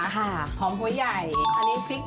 หอมโหย่ายพริกแดงจินดา